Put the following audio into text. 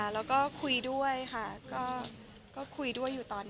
แล้วก็คุยด้วยค่ะก็คุยด้วยอยู่ตอนนั้น